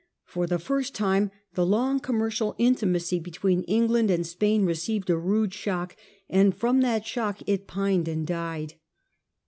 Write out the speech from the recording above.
For the first time the long commercial intimacy between England and Spain received a rude shock, and from that shock it pined and died.